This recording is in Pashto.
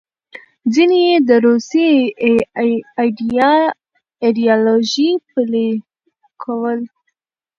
ځینې یې د روسي ایډیالوژي پلې کول.